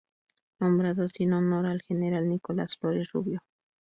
Nombrado así en honor al general Nicolás Flores Rubio.